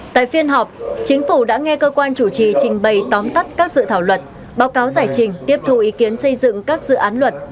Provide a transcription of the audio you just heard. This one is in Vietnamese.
tại phiên họp chính phủ đã nghe cơ quan chủ trì trình bày tóm tắt các dự thảo luật báo cáo giải trình tiếp thu ý kiến xây dựng các dự án luật